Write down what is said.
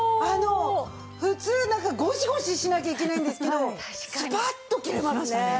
普通なんかゴシゴシしなきゃいけないんですけどスパッと切れますね。